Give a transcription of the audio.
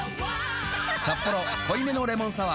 「サッポロ濃いめのレモンサワー」